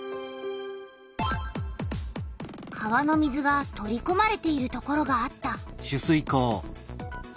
川の水が取りこまれているところがあった。